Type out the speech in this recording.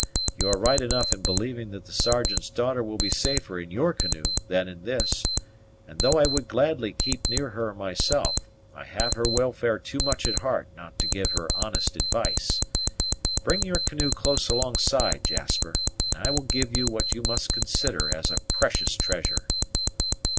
You are right enough in believing that the Sergeant's daughter will be safer in your canoe than in this; and though I would gladly keep her near myself, I have her welfare too much at heart not to give her honest advice. Bring your canoe close alongside, Jasper, and I will give you what you must consider as a precious treasure."